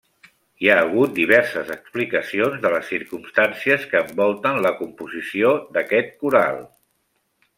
Hi ha hagut diverses explicacions de les circumstàncies que envolten la composició d'aquest coral.